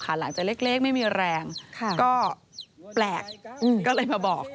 หลังจากเล็กไม่มีแรงก็แปลกก็เลยมาบอก